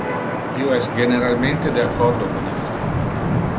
Io es generalmente de accordo con illa.